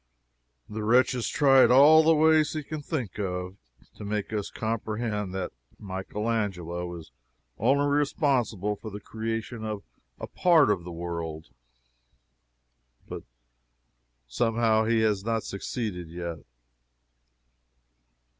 The wretch has tried all the ways he can think of to make us comprehend that Michael Angelo is only responsible for the creation of a part of the world, but somehow he has not succeeded yet.